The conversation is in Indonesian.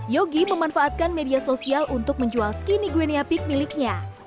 yogi memanfaatkan media sosial untuk menjual skinny gwenia pik miliknya